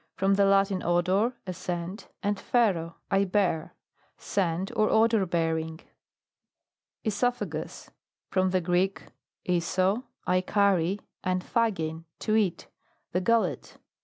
From the Latin, odor, a scent, and /ero, I bear. Scent, or odour bearing. (ESOPHAGUS. From the Greek, oiso, I carry, and phagein, to eat. The gullet.